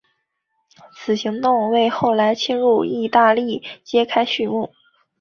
此行动为后来入侵义大利揭开续幕。